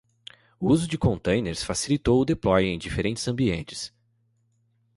O uso de containers facilitou o deploy em diferentes ambientes.